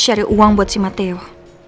syari uang buat si matteo